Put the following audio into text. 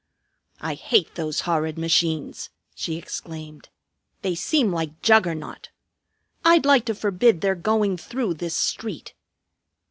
"I hate those horrid machines!" she exclaimed. "They seem like Juggernaut. I'd like to forbid their going through this street."